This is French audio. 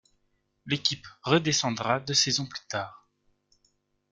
L'équipe redescendra deux saisons plus tard.